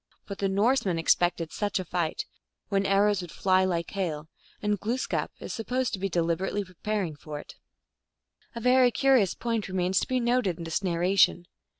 But the Norsemen expected such a fight, when arrows would fly like hail, and Glooskap is supposed to be deliberaijly preparing for it. A very curious point remains to be noted in this narration.